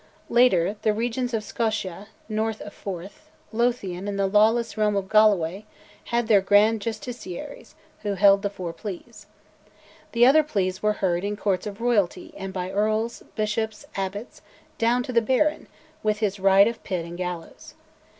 Later, the regions of Scotia (north of Forth), Lothian, and the lawless realm of Galloway, had their Grand Justiciaries, who held the Four Pleas. The other pleas were heard in "Courts of Royalty" and by earls, bishops, abbots, down to the baron, with his "right of pit and gallows."